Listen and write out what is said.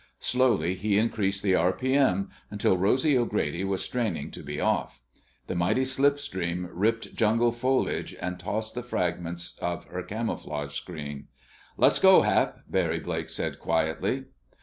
Slowly he increased the r.p.m. until Rosy O'Grady was straining to be off. The mighty slipstream ripped jungle foliage and tossed the fragments of her camouflage screen. "Let's go, Hap!" Barry Blake said quietly.